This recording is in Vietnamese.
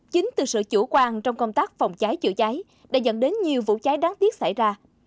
chính từ sự chủ quan trong công tác phòng cháy chữa cháy đã dẫn đến nhiều vụ cháy đáng tiếc xảy ra